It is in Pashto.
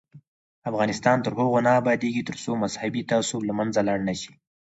افغانستان تر هغو نه ابادیږي، ترڅو مذهبي تعصب له منځه لاړ نشي.